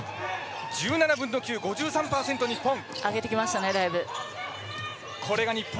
１７分の９５３％、日本。